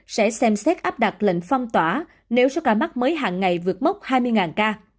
sẽ xem xét áp đặt lệnh phong tỏa nếu số ca mắc mới hàng ngày vượt mốc hai mươi ca